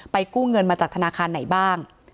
กู้เงินมาจากธนาคารไหนบ้าง